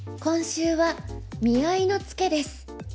今週は「見合いのツケ」です。